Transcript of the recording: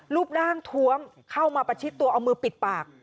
รูปร่างทวมเข้ามาประชิดตัวเอามือปิดปาก